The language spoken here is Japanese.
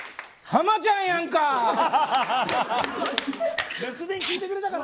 浜ちゃんやんか。